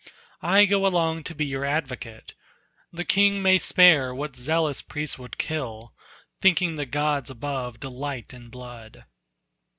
I go along to be your advocate. The king may spare what zealous priest would kill, Thinking the gods above delight in blood."